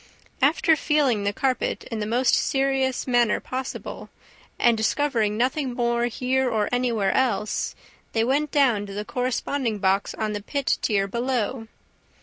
After, feeling the carpet in the most serious manner possible, and discovering nothing more here or anywhere else, they went down to the corresponding box on the pit tier below.